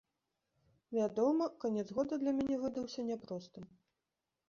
Вядома, канец года для мяне выдаўся няпростым.